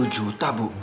lima puluh juta bu